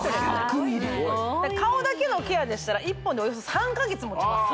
顔だけのケアでしたら１本でおよそ３カ月もちます